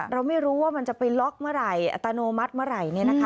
เราไม่รู้ว่ามันจะไปล็อกเมื่อไหร่อัตโนมัติเมื่อไหร่